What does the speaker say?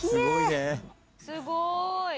すごーい！